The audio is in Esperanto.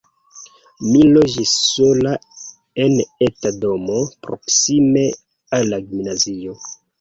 Mi loĝis sola en eta domo, proksime al la gimnazio.